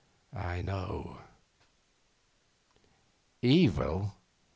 I know.' 'Evil?